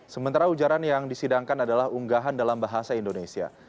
sementara ujaran yang disidangkan adalah unggahan dalam bahasa indonesia